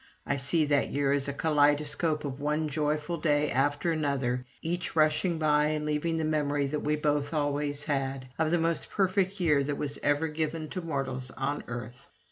I see that year as a kaleidoscope of one joyful day after another, each rushing by and leaving the memory that we both always had, of the most perfect year that was ever given to mortals on earth.